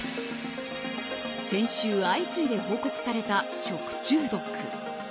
先週、相次いで報告された食中毒。